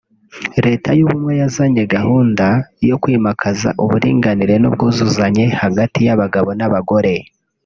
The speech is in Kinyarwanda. Leta y’Ubumwe yazanye gahunda yo kwimakaza uburinganire n’ubwuzuzanye hagati y’Abagabo n’abagore